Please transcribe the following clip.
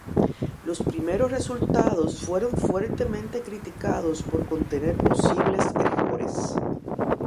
Los primeros resultados fueron fuertemente criticados por contener posibles errores.